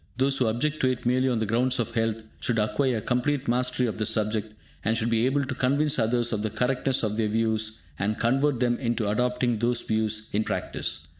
Those who object to it merely on the grounds of health should acquire a complete mastery of the subject, and should be able to convince others of the correctness of their views, and convert them into adopting those views in practice.